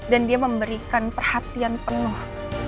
dan dia memberikan perhatian penuh